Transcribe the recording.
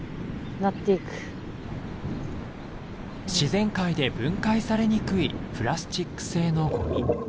自然界で分解されにくいプラスチック製のゴミ。